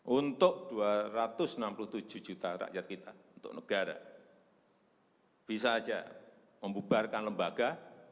untuk dua ratus enam puluh tujuh juta rakyat kita untuk negara bisa saja membubarkan lembaga